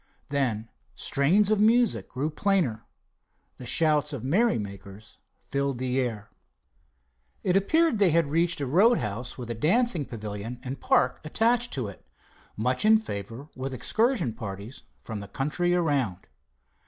Then strains of music grew plainer. The shouts of merry makers filled the air. It appeared that they had reached a roadhouse with a dancing pavilion and park attached to it, much in favor with excursion parties from the country around.